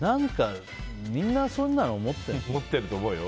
みんなそんなの持ってる。